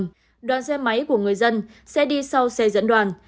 trong lịch sử đoàn xe máy của người dân sẽ đi sau xe dẫn đoàn